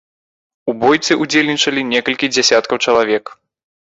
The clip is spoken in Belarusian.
У бойцы ўдзельнічалі некалькі дзясяткаў чалавек.